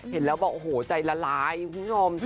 เห็นแล้วบอกโอ้โหใจละลายคุณผู้ชม